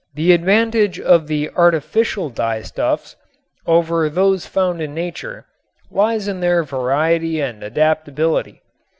The advantage of the artificial dyestuffs over those found in nature lies in their variety and adaptability.